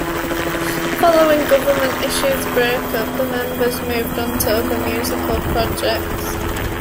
Following Government Issue's breakup the members moved on to other musical projects.